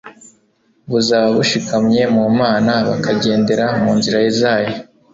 buzaba bushikamye mu Mana bakagendera mu nzira zayo.